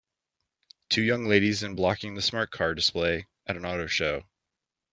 Two young ladies in blocking the smart car display at an auto show